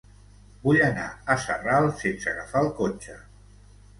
Vull anar a Sarral sense agafar el cotxe.